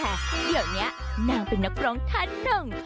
ก็แหมเดี๋ยวเนี่ยนางเป็นนักร้องทะหนึ่ง